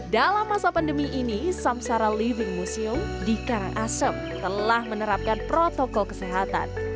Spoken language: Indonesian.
dalam masa pandemi ini samsara living museum di karangasem telah menerapkan protokol kesehatan